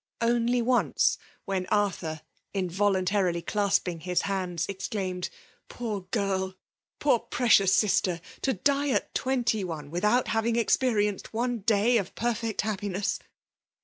Only once, when Arthur, involuntarily clasping his hands, exdaimcd^ " Poor girl ! poor lueecious sister I to die at twenty one, without •Mving experienced one day of perfect happi ness